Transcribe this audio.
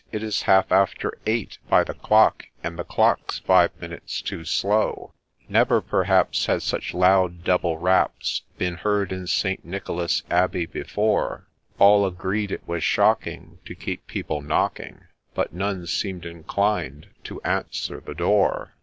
— it is half after eight By the clock, — and the clock 's five minutes too slow Never, perhaps, had such loud double raps Been heard in St. Nicholas' Abbey before ; All agreed ' it was shocking to keep people knocking,' But none seem'd inclined to ' answer the door.'